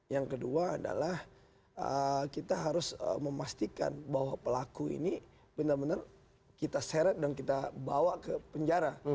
yang kedua adalah kita harus memastikan bahwa pelaku ini benar benar kita seret dan kita bawa ke penjara